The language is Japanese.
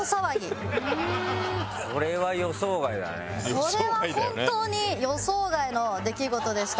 これは本当に予想外の出来事でした。